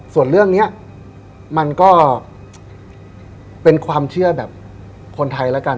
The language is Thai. ส่วนเรื่องนี้มันก็เป็นความเชื่อแบบคนไทยแล้วกัน